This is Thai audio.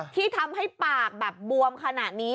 ที่ทำให้ปากแบบบวมขนาดนี้